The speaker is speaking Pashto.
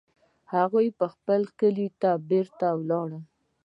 هغوی خپل کلي ته بیرته ولاړل